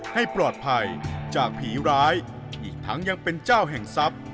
ให้ปลอดภัยจากผีร้ายอีกทั้งยังเป็นเจ้าแห่งทรัพย์